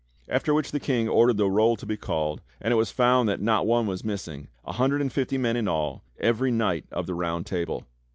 After which the King ordered the roll to be called, and it was found that not one was missing — a hundred and fifty men in all — every knight of the Round Table!